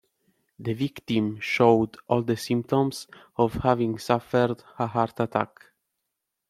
The victim showed all the symptoms of having suffered a heart attack.